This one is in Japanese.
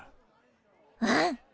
うん。